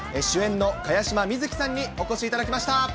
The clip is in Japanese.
主演の茅島みずきさんにお越しいただきました。